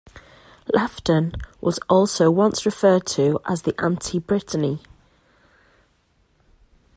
Lefton was also once referred to as the anti-Britney.